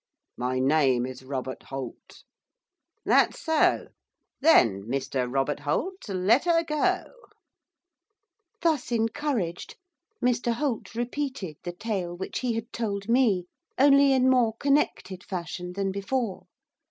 'My name is Robert Holt.' 'That so? Then, Mr Robert Holt, let her go!' Thus encouraged, Mr Holt repeated the tale which he had told me, only in more connected fashion than before.